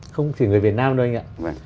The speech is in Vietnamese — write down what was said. không chỉ người việt nam đâu anh ạ